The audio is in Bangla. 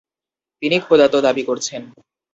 তিনি খোদাত্ব দাবি করছেন।